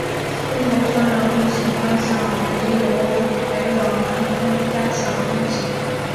目前车辆通行方向为由北往南单向通行。